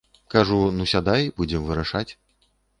Кажу, ну сядай, будзем вырашаць.